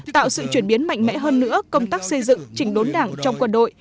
tạo sự chuyển biến mạnh mẽ hơn nữa công tác xây dựng chỉnh đốn đảng trong quân đội